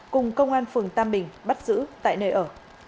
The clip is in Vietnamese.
cùng công an phường tam bình bắt giữ tại nơi ở